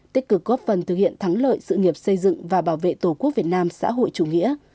tích cực góp phần thực hiện thắng lợi sự nghiệp xây dựng và bảo vệ tổ quốc việt nam xã hội chủ nghĩa